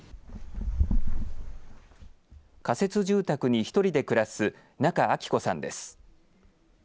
仮設住宅に１人で暮らす中明子さんです。